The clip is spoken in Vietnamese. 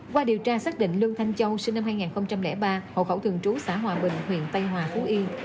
qua điều tra xác định lương thanh châu sinh năm hai nghìn ba hộ khẩu thường trú xã hòa bình huyện tây hòa phú yên